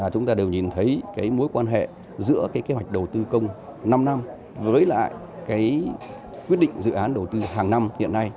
chúng ta đều nhìn thấy cái mối quan hệ giữa cái kế hoạch đầu tư công năm năm với lại cái quyết định dự án đầu tư hàng năm hiện nay